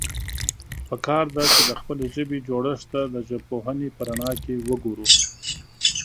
پکار ده، چې د خپلې ژبې جوړښت ته د ژبپوهنې په رڼا کې وګورو.